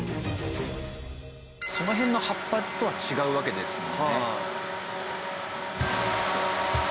その辺の葉っぱとは違うわけですもんね。